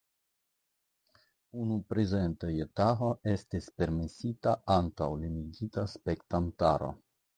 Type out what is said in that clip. Unu prezento je tago estis permesita antaŭ limigita spektantaro.